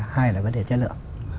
hai là vấn đề chất lượng